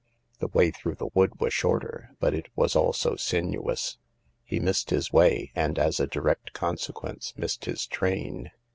The way through the wood was shorter, but it was also sinuous. He missed his way, and, as a direct consequence, missed his train.